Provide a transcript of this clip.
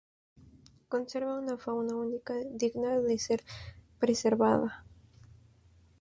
Conserva una fauna única digna de ser preservada.